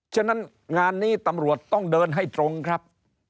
ฉะนั้นงานนี้ตำรวจต้องเดินให้ตรงครับ